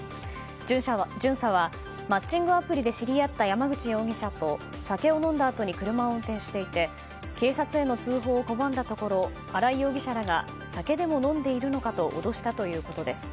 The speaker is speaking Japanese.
巡査はマッチングアプリで知り合った山口容疑者と酒を飲んだあとに車を運転していて警察への通報を拒んだところ荒井容疑者らが酒でも飲んでいるのかと脅したということです。